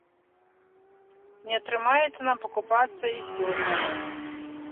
Не атрымаецца там пакупацца і сёлета.